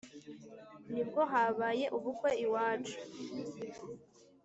nibwo habaye ubukwe iwacu